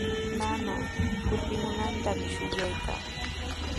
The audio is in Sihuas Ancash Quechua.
Mamaa kutimunantami shuyaykaa.